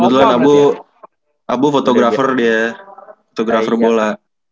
kebetulan abu fotografer dia fotografer bola